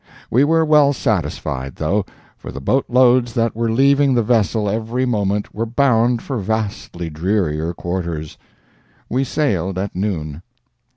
We were well satisfied, though, for the boat loads that were leaving the vessel every moment were bound for vastly drearier quarters. We sailed at noon.